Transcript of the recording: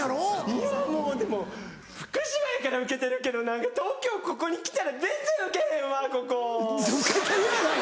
いやもうでも福島やからウケてるけど何か東京ここに来たら全然ウケへんわここ。ウケてるやない。